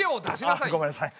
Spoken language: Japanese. あごめんなさい。